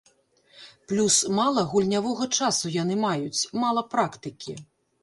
Плюс мала гульнявога часу яны маюць, мала практыкі.